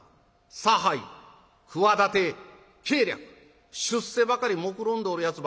差配企て計略出世ばかりもくろんでおるやつばっかりでな